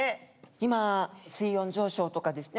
今水温上昇とかですね